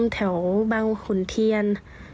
แถวบางขุนเทียน